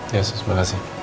iya sus makasih